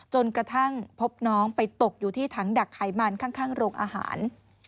จนกระทั่งพบน้องไปตกอยู่ที่ถังดักไขมันข้างโรงอาหาร